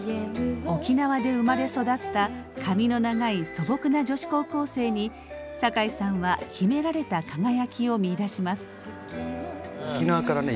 沖縄で生まれ育った髪の長い素朴な女子高校生に酒井さんは秘められた輝きを見いだします。